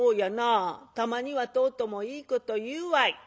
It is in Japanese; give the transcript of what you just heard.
たまにはとうともいいこと言うわい。